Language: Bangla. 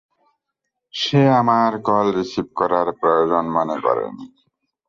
সে আমার কল রিসিভ করার প্রয়োজন মনে করেনি।